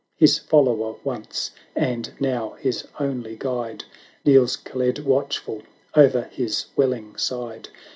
His follower once, and now his only guide. Kneels Kaled watchful o'er his welling side.